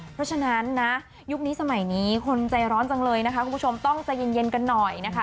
เพราะฉะนั้นนะยุคนี้สมัยนี้คนใจร้อนจังเลยนะคะคุณผู้ชมต้องใจเย็นกันหน่อยนะคะ